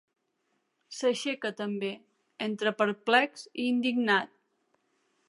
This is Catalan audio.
S'aixeca també, entre perplex i indignat.